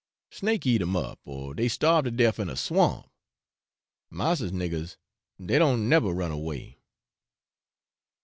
Snake eat em up, or dey starve to def in a swamp. Massa's niggars dey don't nebbar run away.'